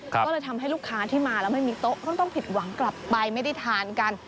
ก็เลยทำให้ลูกค้าที่มาแล้วไม่มีโต๊ะก็ต้องผิดหวังกลับไปไม่ได้ทานกัน